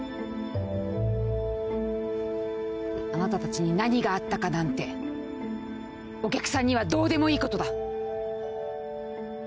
あなたたちに何があったかなんてお客さんにはどうでもいいことだ。